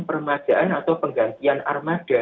permadaan atau penggantian armada